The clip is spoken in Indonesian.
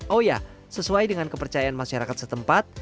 oh ya sesuai dengan kepercayaan masyarakat setempat